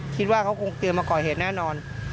คิดว่าเขาคงเตือนมาก่อเหตุแน่นอน